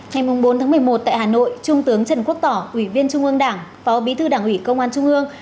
ngày bốn một mươi một tại hà nội trung tướng trần quốc tỏ ủy viên trung ương đảng phó bí thư đảng ủy công an trung ương